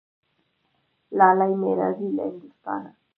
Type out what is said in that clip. لالی مي راځي له هندوستانه